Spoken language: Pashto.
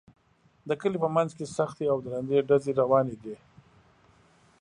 د کلي په منځ کې سختې او درندې ډزې روانې دي